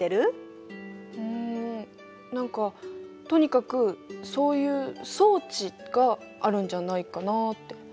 うん何かとにかくそういう装置があるんじゃないかなって。